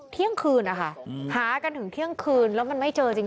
เที่ยงคืนนะคะหากันถึงเที่ยงคืนแล้วมันไม่เจอจริง